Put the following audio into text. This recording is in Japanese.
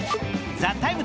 「ＴＨＥＴＩＭＥ，」